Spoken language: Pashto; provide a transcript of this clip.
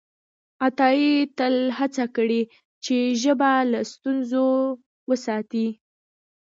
عطایي تل هڅه کړې چې ژبه له ستونزو وساتي.